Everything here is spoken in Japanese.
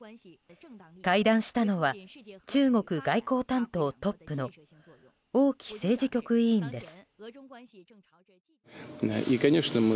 会談したのは中国外交担当トップの王毅政治局委員です。